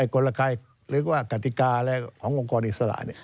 กลไกหรือว่ากติกาอะไรขององค์กรอิสระ